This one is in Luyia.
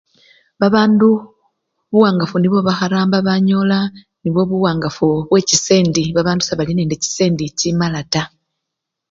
Babandu buwangafu nibwo baharamba banyola nibwo buwangafu bwe chisendi, babandu sebali nende chisendi chimala taa